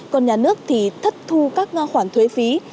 còn nhà nước thì thất thu các khoản thuế phí